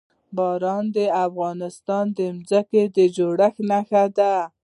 باران د افغانستان د ځمکې د جوړښت نښه ده.